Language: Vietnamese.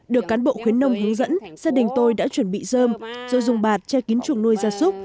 được cán bộ khuyến nông hướng dẫn gia đình tôi đã chuẩn bị dơm rồi dùng bạt che kín chuồng nuôi gia súc